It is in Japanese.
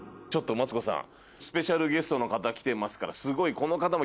マツコさん